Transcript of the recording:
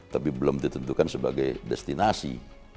tapi belum ditentukan sebagai destinasi